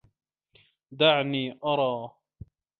دعني ارى.